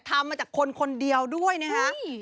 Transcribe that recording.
ทำมาจากคนเดียวด้วยนะครับ